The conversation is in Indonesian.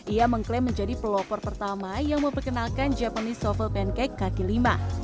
ia mengklaim menjadi pelopor pertama yang memperkenalkan japanese softle pancake kaki lima